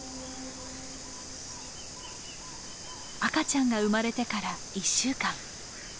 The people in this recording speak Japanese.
赤ちゃんが生まれてから１週間。